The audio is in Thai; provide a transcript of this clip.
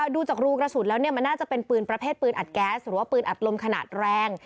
ดูจากรูกระสุนแล้วมันน่าจะเป็นปืนประเภทปืนอัดแก๊สหรือว่าปืนอัดลมขนาดแรง